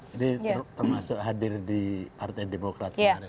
jadi termasuk hadir di partai demokrat kemarin